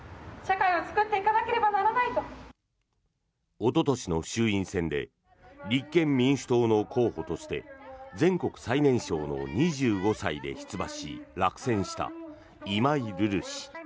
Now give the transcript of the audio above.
おととしの衆院選で立憲民主党の候補として全国最年少の２５歳で出馬し落選した今井瑠々氏。